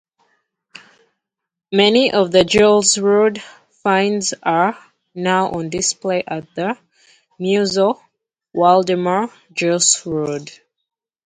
Many of the Julsrud finds are now on display at the "Museo Waldemar Julsrud".